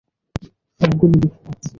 সবগুলো লিখে রাখছি।